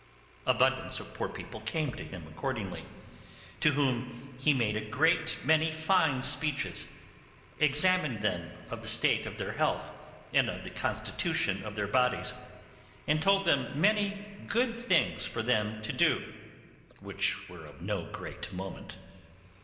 Abundance of poor people came to him accordingly, to whom he made a great many fine speeches, examined them of the state of their health and of the constitution of their bodies, and told them many good things for them to do, which were of no great moment.